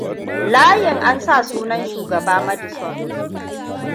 Layin an sa sunan Shugaba Madison.